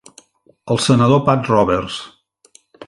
El senador Pat Roberts.